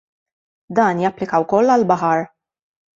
Dan japplika wkoll għall-baħar.